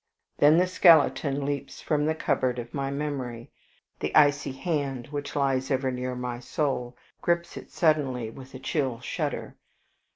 Then the skeleton leaps from the cupboard of my memory; the icy hand which lies ever near my soul grips it suddenly with a chill shudder.